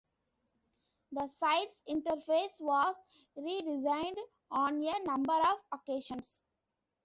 The site's interface was redesigned on a number of occasions.